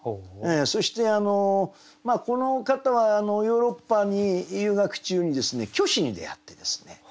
そしてこの方はヨーロッパに遊学中にですね虚子に出会ってですね。